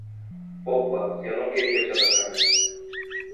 Opa, eu não queria te atacar!